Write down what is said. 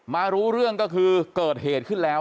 รู้เรื่องก็คือเกิดเหตุขึ้นแล้ว